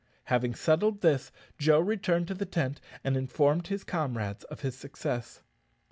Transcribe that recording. Having settled this, Joe returned to the tent and informed his comrades of his success.